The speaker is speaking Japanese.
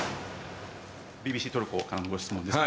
ＢＢＣトルコから質問です。